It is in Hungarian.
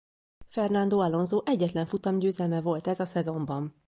Fernando Alonso egyetlen futamgyőzelme volt ez a szezonban.